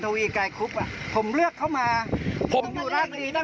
ที่ผมบอกว่าผมเลือกผมเลือกรุ่นคุณพ่อคุณ